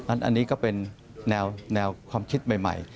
อันนี้ก็เป็นแนวความคิดใหม่